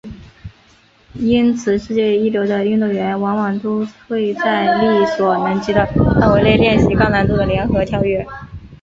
因此世界一流的运动员往往都会在力所能及的范围内练习高难度的联合跳跃。